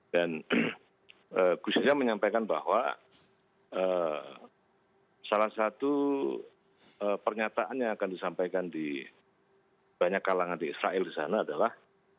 dan khus yahya menyampaikan bahwa salah satu pernyataan yang akan disampaikan di banyak kalangan di israel di sana adalah